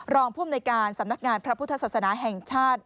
รองภูมิในการสำนักงานพระพุทธศาสนาแห่งชาติ